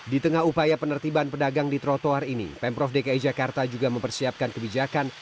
di tengah upaya penertiban pedagang di trotoar ini pemprov dki jakarta juga mempersiapkan kebijakan